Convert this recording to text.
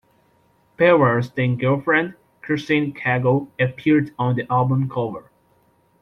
Farrell's then-girlfriend, Christine Cagle, appeared on the album cover.